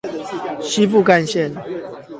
西部幹線